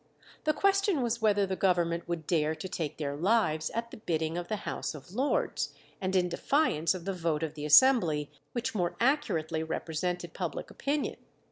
The question was whether the Government would dare to take their lives at the bidding of the House of Lords, and in defiance of the vote of the assembly which more accurately represented public opinion.